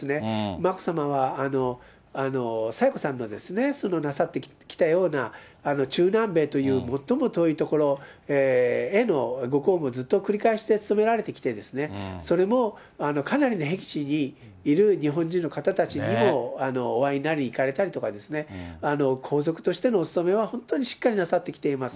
眞子さまは、清子さんのなさってきたような中南米という最も遠い所へのご公務をずっと繰り返して務められてきて、それもかなりのへき地にいる日本人の方たちにもお会いになり行かれたりとか皇族としてのお勤めは本当にしっかりなさってきています。